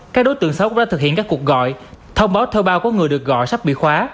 các đối tượng sau cũng đã thực hiện các cuộc gọi thông báo thơ bao có người được gọi sắp bị khóa